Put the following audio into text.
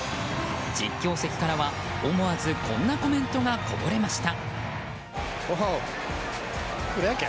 実況席からは思わずこんなコメントがこぼれました。